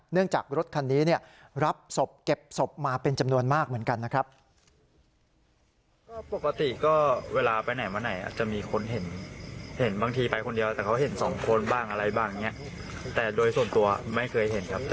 จากรถคันนี้รับศพเก็บศพมาเป็นจำนวนมากเหมือนกันนะครับ